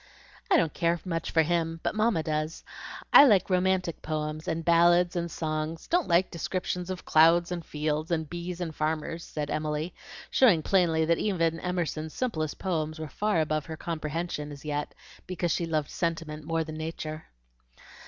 "I don't care much for him, but Mamma does. I like romantic poems, and ballads, and songs; don't like descriptions of clouds and fields, and bees, and farmers," said Emily, showing plainly that even Emerson's simplest poems were far above her comprehension as yet, because she loved sentiment more than Nature.